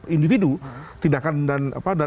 individu tindakan dan